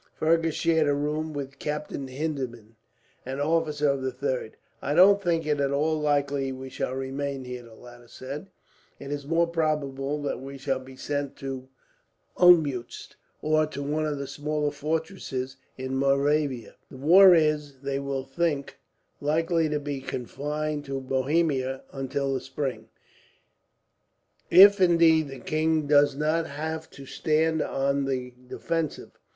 Fergus shared a room with Captain Hindeman, an officer of the 3rd. "I don't think it at all likely we shall remain here," the latter said. "It is more probable that we shall be sent to Olmuetz, or to one of the smaller fortresses in Moravia. The war is, they will think, likely to be confined to Bohemia until the spring; if indeed the king does not have to stand on the defensive.